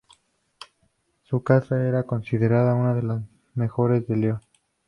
Su casa era considerada una de las mejores de León.